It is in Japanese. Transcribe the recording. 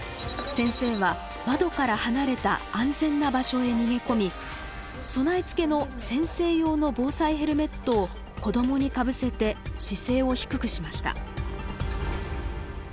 先生は窓から離れた安全な場所へ逃げ込み備え付けの先生用の防災ヘルメットを子供にかぶせて姿勢を低くしました。